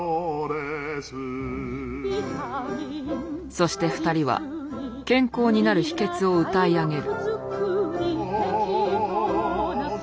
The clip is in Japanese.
そして２人は健康になる秘けつを歌い上げる。